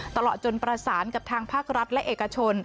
ตลอดจนประสานกับทางภาครัฐและเอกชน